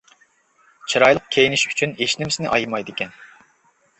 چىرايلىق كىيىنىش ئۈچۈن ھېچنېمىسىنى ئايىمايدىكەن.